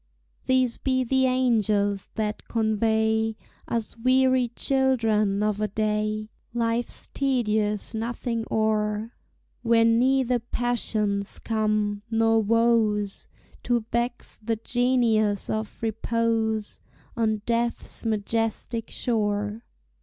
These be the angels that convey Us weary children of a day Life's tedious nothing o'er Where neither passions come, nor woes, To vex the genius of repose On Death's majestic shore.